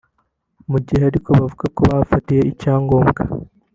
Mu gihe ariko bavuga ko bahafatiye icyangombwa